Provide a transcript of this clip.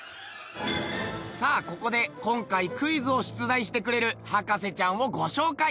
さあここで今回クイズを出題してくれる博士ちゃんをご紹介。